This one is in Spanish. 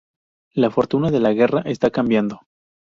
La fortuna de la guerra está cambiando.